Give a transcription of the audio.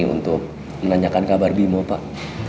untuk menanyakan kabar bimo pak